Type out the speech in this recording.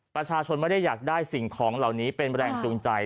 ประชาชนไม่ได้อยากได้สิ่งของเหล่านี้เป็นแรงจูงใจ